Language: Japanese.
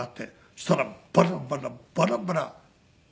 そしたらバラバラバラバラ。